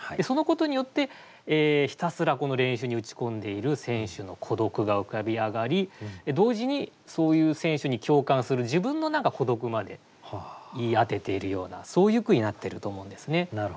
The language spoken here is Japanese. そのことによってひたすら練習に打ち込んでいる選手の孤独が浮かび上がり同時にそういう選手に共感する自分の孤独まで言い当てているようなそういう句になってると思うんですね。